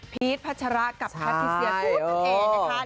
พีชพัชรากับพาติเซียพูดเป็นเองนะคะ